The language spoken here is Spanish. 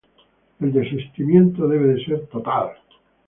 El desistimiento debe ser total.